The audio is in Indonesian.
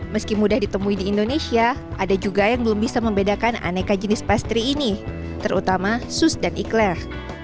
meski mudah ditemui di indonesia ada juga yang belum bisa membedakan aneka jenis pastry ini terutama sus dan ikler